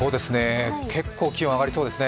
結構、気温上がりそうですね